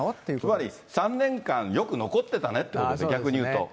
つまり３年間、よく残ってたねってことですね、逆に言うと。